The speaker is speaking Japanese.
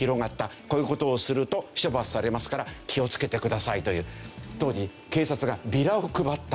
こういう事をすると処罰されますから気を付けてくださいという当時警察がビラを配った。